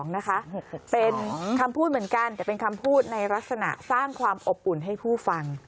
นะคะเป็นคำพูดเหมือนกันแต่เป็นคำพูดในลักษณะสร้างความอบอุ่นให้ผู้ฟัง